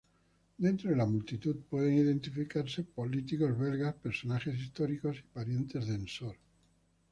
Dentro de la multitud pueden identificarse políticos belgas, personajes históricos y parientes de Ensor.